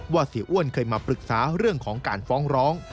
เสียอ้วนเคยมาปรึกษาเรื่องของการฟ้องร้อง